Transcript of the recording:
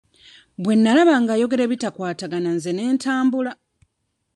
Bwe nnalaba nga ayogera ebitakwatagana nze ne ntambula.